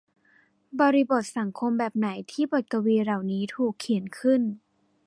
บริบทสังคมแบบไหนที่บทกวีเหล่านี้ถูกเขียนขึ้น